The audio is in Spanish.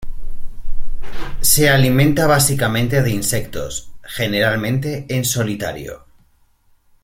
Se alimenta básicamente de insectos, generalmente en solitario.